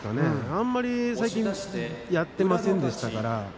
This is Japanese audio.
あまり最近やっていませんでしたから。